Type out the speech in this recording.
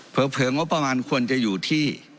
เผลองบประมาณควรจะอยู่ที่